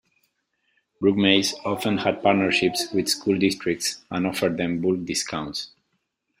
Brook Mays often had partnerships with school districts, and offered them bulk discounts.